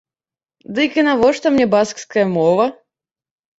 Дык і навошта мне баскская мова?